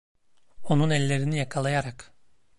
Onun ellerini yakalayarak.